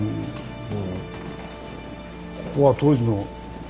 ここは当時の。